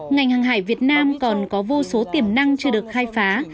ngành hàng hải việt nam còn có vô số tiềm năng chưa được khai phá